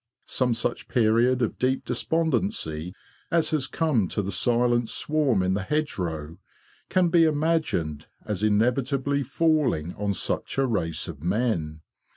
Some such period of deep despondency as has come to the silent swarm in the hedgerow can be imagined as inevitably falling on such a race of men.